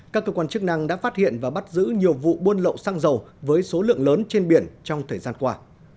các cơ quan chức năng đã phát hiện và bắt giữ nhiều vụ buôn lậu xăng dầu với số lượng lớn trên biển trong thời gian qua